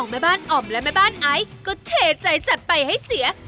แม่บ้านอ่อมและแม่บ้านไอซ์ก็เทใจจัดไปให้เสีย